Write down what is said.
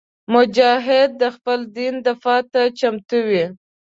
مجاهد د خپل دین دفاع ته چمتو وي.